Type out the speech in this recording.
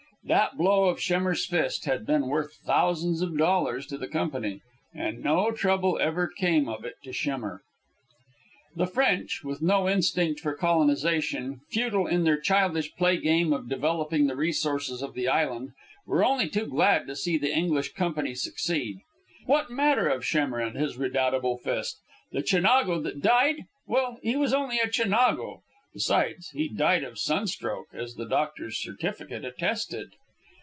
That blow of Schemmer's fist had been worth thousands of dollars to the Company, and no trouble ever came of it to Schemmer. The French, with no instinct for colonization, futile in their childish playgame of developing the resources of the island, were only too glad to see the English Company succeed. What matter of Schemmer and his redoubtable fist? The Chinago that died? Well, he was only a Chinago. Besides, he died of sunstroke, as the doctor's certificate attested.